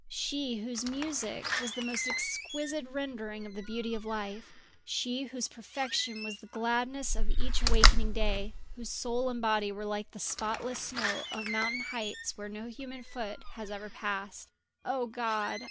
She whose music was the most exquisite rendering of the beauty of life; she whose perfection was the gladness of each awakening day, whose soul and body were like the spotless snow of mountain heights where no human foot has ever passed. O God!